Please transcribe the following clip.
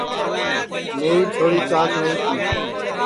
میری چھوری چاک نائی تی